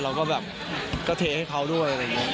เราก็แบบก็เทให้เขาด้วยอะไรอย่างนี้